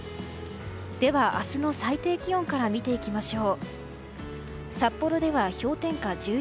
では、明日の最低気温から見ていきましょう。